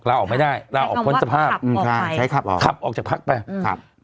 ลาออกไม่ได้ลาออกพ้นสภาพอืมใช่ใช้ขับออกขับออกจากพักไปครับ